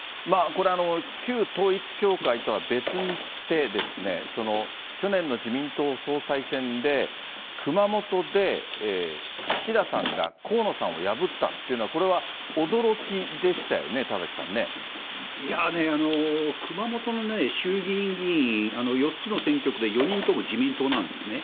これ、旧統一教会とは別にして、去年の自民党総裁選で、熊本で岸田さんが河野さんを破ったというのは、これは驚きでしたよね、熊本の衆議院議員、４つの選挙区で４人とも自民党なんですね。